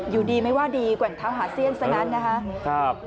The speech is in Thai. อยู่ดีไม่ว่าดีกว่าอย่างเท้าหาเสี้ยนซะงั้น